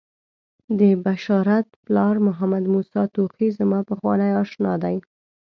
د بشارت پلار محمدموسی توخی زما پخوانی آشنا دی.